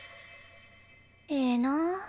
ええなあ。